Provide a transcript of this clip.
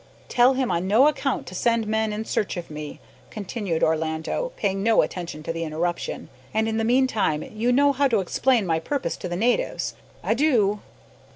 "Tell him on no account to send men in search of me," continued Orlando, paying no attention to the interruption; "and in the meantime, you know how to explain my purpose to the natives. Adieu."